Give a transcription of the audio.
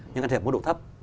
nhưng can thiệp mức độ thấp